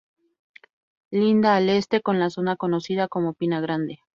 Linda al este con la zona conocida como Pina Grande.